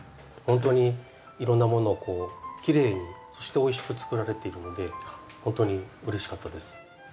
ほんとにいろんなものをきれいにそしておいしく作られているのでほんとにうれしかったです。